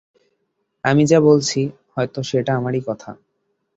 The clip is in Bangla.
আমি যা বলছি, হয়তো সেটা আমারই কথা।